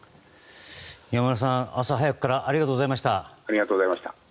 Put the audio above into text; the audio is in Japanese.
山村さん、朝早くからありがとうございました。